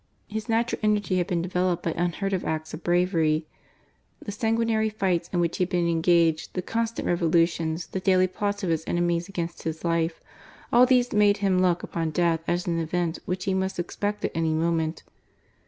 His natural energy had been developed by unheard of acts of "bravery. The sanguinary fights in which he had been engaged, the constant revolutions, the daily plots of his enemies against his life — all these made him look upon death as an event which he must expect at any moment.